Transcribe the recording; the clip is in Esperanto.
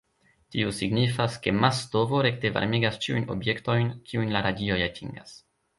Tio signifas, ke mas-stovo rekte varmigas ĉiujn objektojn, kiujn la radioj atingas.